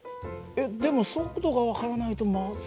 えっでも速度が分からないとまずいんじゃ。